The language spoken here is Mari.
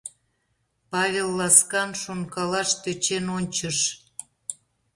— Павел ласкан шонкалаш тӧчен ончыш.